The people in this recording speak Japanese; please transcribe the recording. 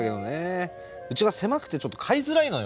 うちが狭くてちょっと飼いづらいのよ。